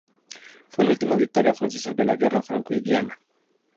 Fue la última victoria francesa de la Guerra Franco-india.